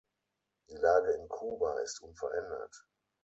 Die Lage in Kuba ist unverändert.